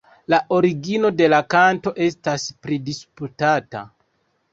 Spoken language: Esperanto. La origino de la kanto estas pridisputata.